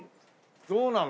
どうなの？